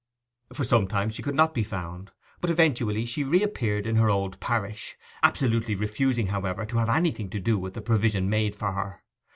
For some time she could not be found; but eventually she reappeared in her old parish,—absolutely refusing, however, to have anything to do with the provision made for her.